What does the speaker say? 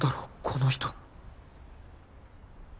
この人